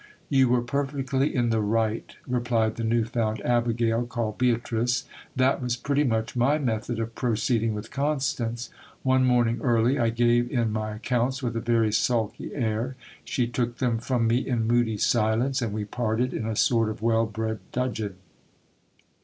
You were perfectly in the right, replied the new found abigail, called Beatrice. That was pretty much my method of proceeding with Constance. One morn ing early, I gave in my accounts with a very sulky air ; she took them from me in moody silence, and we parted in a sort of well bred dudgeon.